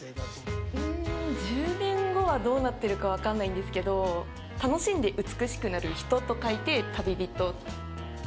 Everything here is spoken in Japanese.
１０年後はどうなってるか分かんないんですけど楽しんで美しくなる人と書いて。